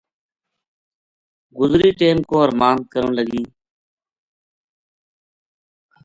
گزری ٹیم کو ارماند کرن لگی